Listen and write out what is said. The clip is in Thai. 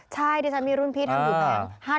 ใช่ที่จะมีรุ่นพีชทำถูกแผง